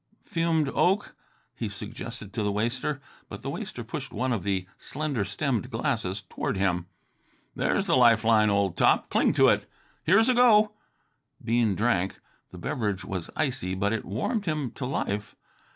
"Fumed oak," he suggested to the waster. But the waster pushed one of the slender stemmed glasses toward him. "There's the life line, old top; cling to it! Here's a go!" Bean drank. The beverage was icy, but it warmed him to life.